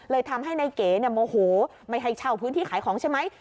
ทำให้นายเก๋โมโหไม่ให้เช่าพื้นที่ขายของใช่ไหม